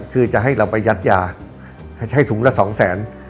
คือจะให้เราไปยัดยาใช้ถุงละสองแสน